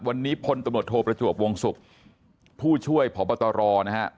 วันนี้พลตำรวจโทประจวบวงศุกร์ผู้ช่วยพบตรนะฮะ